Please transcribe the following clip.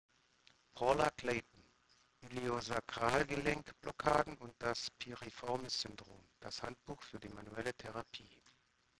Paula Clayton: "Iliosakralgelenk-Blockaden und das Piriformis-Syndrom: Das Handbuch für die manuelle Therapie".